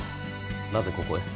なぜここへ。